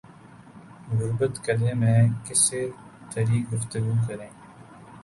غربت کدے میں کس سے تری گفتگو کریں